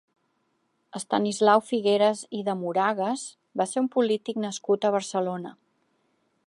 Estanislau Figueras i de Moragas va ser un polític nascut a Barcelona.